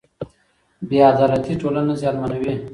بې عدالتي ټولنه زیانمنوي.